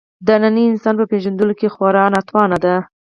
د ننني انسان په پېژندلو کې خورا ناتوانه دی.